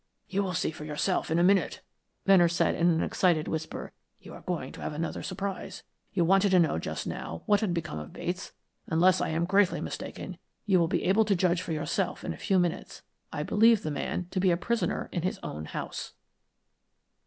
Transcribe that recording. "You will see for yourself in a minute," Venner said in an excited whisper. "You are going to have another surprise. You wanted to know just now what had become of Bates. Unless I am greatly mistaken, you will be able to judge for yourself in a few moments. I believe the man to be a prisoner in his own house."